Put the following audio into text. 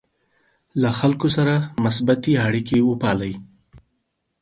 له خلکو سره مثبتې اړیکې وپالئ.